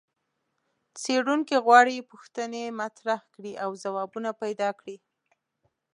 څېړونکي غواړي پوښتنې مطرحې کړي او ځوابونه پیدا کړي.